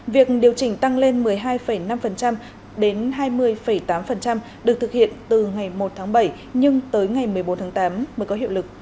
việc điều chỉnh tăng lên một mươi hai năm đến hai mươi tám được thực hiện từ ngày một tháng bảy nhưng tới ngày một mươi bốn tháng tám mới có hiệu lực